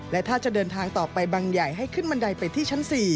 และถ้าจะเดินทางต่อไปบังใหญ่ให้ขึ้นบันไดไปที่ชั้น๔